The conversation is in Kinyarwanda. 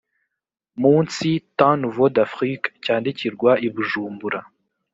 munsi temps nouveaux d afriques cyandikirwaga i bujumbura